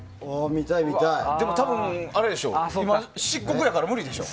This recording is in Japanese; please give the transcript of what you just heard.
でも多分、今漆黒やから無理でしょ。